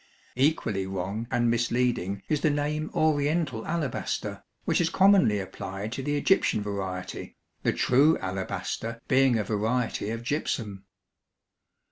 Equally wrong and misleading is the name "oriental alabaster," which is commonly applied to the Egyptian variety, the true alabaster being a variety of gypsum.